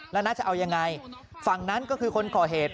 แล้วน่าจะเอายังไงฝั่งนั้นก็คือคนก่อเหตุ